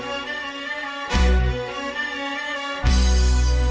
เพลงงานที่๕